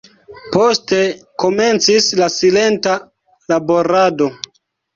Poste komencis la silenta laborado.